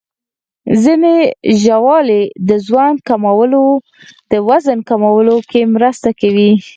ځینې ژاولې د وزن کمولو کې مرسته کوي.